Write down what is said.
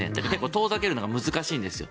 遠ざけるのが難しいんですよ。